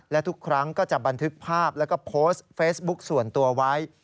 และทุกครั้งก็จะบันทึกภาพแล้วก็โพสต์เฟซบุ๊คส่วนตัวไว้